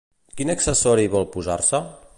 Quin accessori vol posar-se?